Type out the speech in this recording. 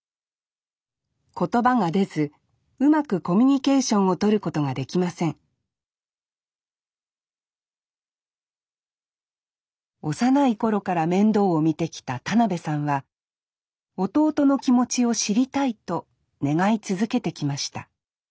言葉が出ずうまくコミュニケーションをとることができません幼い頃から面倒を見てきた田邊さんは弟の気持ちを知りたいと願い続けてきました